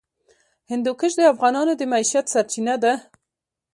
هندوکش د افغانانو د معیشت سرچینه ده.